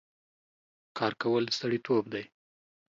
کار کول سړيتوب دی